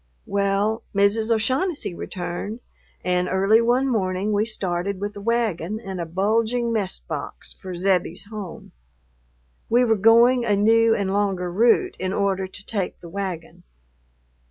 Well, Mrs. O'Shaughnessy returned, and early one morning we started with a wagon and a bulging mess box for Zebbie's home. We were going a new and longer route in order to take the wagon.